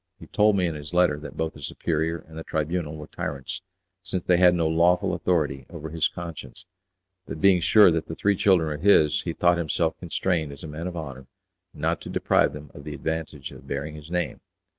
He told me in his letter that both the superior and the Tribunal were tyrants, since they had no lawful authority over his conscience: that being sure that the three children were his, he thought himself constrained as a man of honour not to deprive them of the advantage of bearing his name.